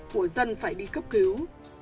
bà tân phải đi cấp cứu